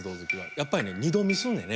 やっぱりね二度見すんねんね